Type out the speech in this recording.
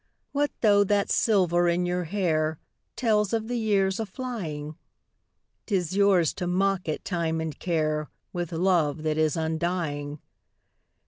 What though that silver in your hair Tells of the years aflying? 'T is yours to mock at Time and Care With love that is undying.